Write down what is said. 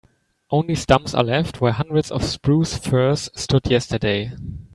Only stumps are left where hundreds of spruce firs stood yesterday.